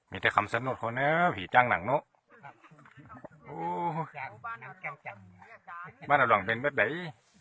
มีแต่คำสนุทธ์เขาเนี้ยผีจ้างหนังเนอะโอ้บ้านเอาหล่องเต็มเบ็ดเบย์